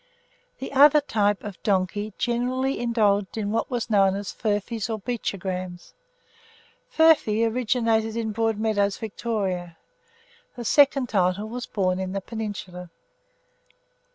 The other type of donkey generally indulged in what were known as Furfys or Beachograms. Furfy originated in Broadmeadows, Victoria; the second title was born in the Peninsula.